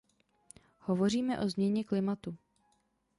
Hovoříme o změně klimatu.